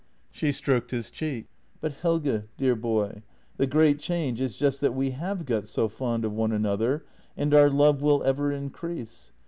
" She stroked his cheek :" But, Helge, dear boy, the great change is just that we have got so fond of one another, and our love will ever increase.